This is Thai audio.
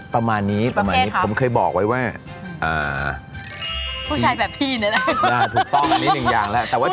ทำร้ายร่างกายผู้หญิง